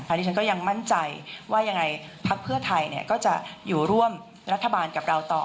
อันนี้ฉันก็ยังมั่นใจว่ายังไงพักเพื่อไทยก็จะอยู่ร่วมรัฐบาลกับเราต่อ